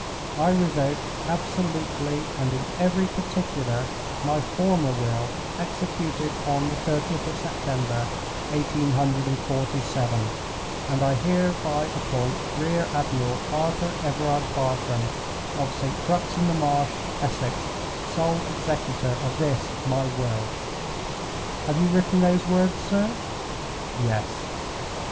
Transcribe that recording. I revoke, absolutely and in every particular, my former will executed on the thirtieth of September, eighteen hundred and forty seven; and I hereby appoint Rear Admiral Arthur Everard Bartram, of St. Crux in the Marsh, Essex, sole executor of this my will." "Have you written those words, sir?" "Yes."